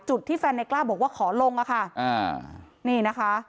ที่แฟนในกล้าบอกว่าขอลงอะค่ะอ่านี่นะคะ